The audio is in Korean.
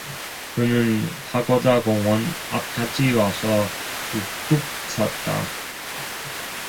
그는 파고다공원 앞까지 와서 우뚝 섰다.